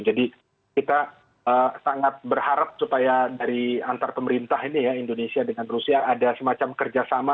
jadi kita sangat berharap supaya dari antar pemerintah indonesia ini ya indonesia dengan rusia ada semacam kerjasama